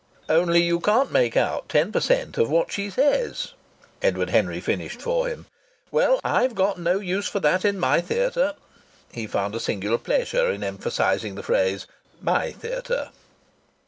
"Only you can't make out ten per cent of what she says," Edward Henry finished for him. "Well, I've got no use for that in my theatre." He found a singular pleasure in emphasizing the phrase, "my theatre."